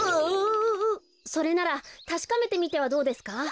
それならたしかめてみてはどうですか？